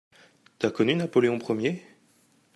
T'as connu Napoléon Ier ?